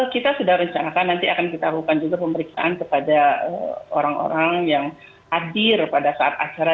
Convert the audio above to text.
kita sudah rencanakan nanti akan kita lakukan juga pemeriksaan kepada orang orang yang hadir pada saat acara